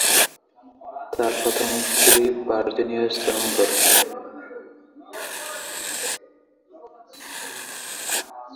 তার প্রথম স্ত্রী অভিনেত্রী ভার্জিনিয়া গিলমোর।